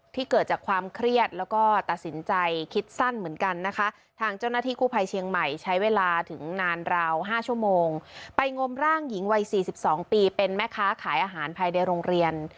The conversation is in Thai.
เกิดจากความเครียดแล้วก็ตัดสินใจคิดสั้นเหมือนกันนะคะทางเจ้าหน้าที่กู้ภัยเชียงใหม่ใช้เวลาถึงนานราว๕ชั่วโมงไปงมร่างหญิงวัย๔๒ปีเป็นแม่ค้าขายอาหารภายในโรงเรียน